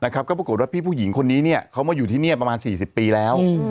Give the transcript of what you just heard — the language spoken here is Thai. ก็ปรากฏว่าพี่ผู้หญิงคนนี้เขามาอยู่ที่นี่ประมาณ๔๐ปีแล้ว